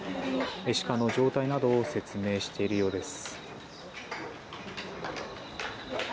シカの状態などを説明しているようです。